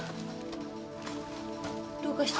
どうかした？